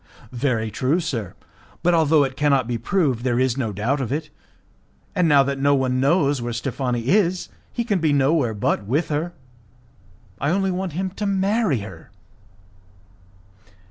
"Very true, sir, but although it cannot be proved, there is no doubt of it, and now that no one knows where Steffani is, he can be nowhere but with her. I only want him to marry her."